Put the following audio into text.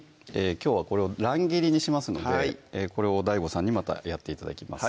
きょうはこれを乱切りにしますのでこれをＤＡＩＧＯさんにまたやって頂きます